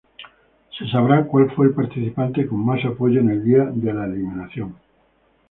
Se sabrá cual fue el participante con más apoyo, en el día de eliminación.